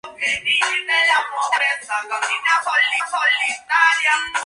Además, podemos admirar una pintura religiosa que explica detalladamente la crucifixión de Cristo.